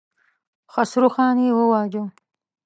خسروخان يې وواژه.